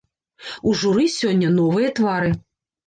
У журы сёння новыя твары.